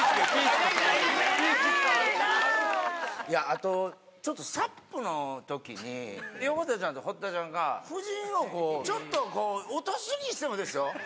あとちょっとサップのときに横田ちゃんと堀田ちゃんが夫人をこうちょっとこう落とすにしてもですよ？